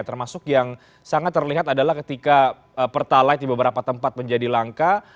termasuk yang sangat terlihat adalah ketika pertalite di beberapa tempat menjadi langka